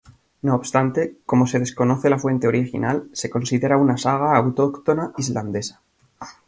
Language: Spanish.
No obstante, como se desconoce la fuente original, se considera una saga autóctona islandesa.